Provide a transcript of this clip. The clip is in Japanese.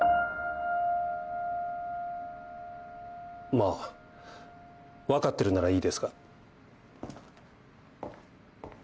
まあ分かってるならいいですが。